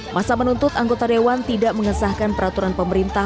masa menuntut anggota dewan tidak mengesahkan peraturan pemerintah